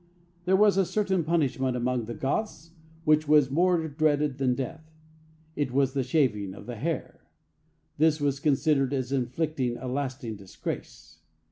There was a certain punishment among the Goths which was more dreaded than death. It was the shaving of the hair. This was considered as inflicting a lasting disgrace.